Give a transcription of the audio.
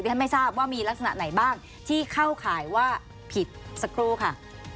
ท่านไม่ทราบว่ามีลักษณะไหนบ้างที่เข้าข่ายว่าผิดสักครู่ค่ะ